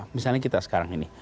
misalnya kita sekarang ini